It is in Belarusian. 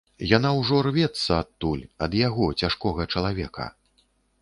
Яна ўжо рвецца адтуль, ад яго, цяжкога чалавека.